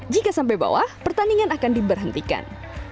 jika sampai bawah pertandingan akan diberhentikan